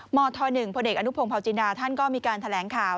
มธหนึ่งพเอนุพงภาวจีนาท่านก็มีการแถลงข่าว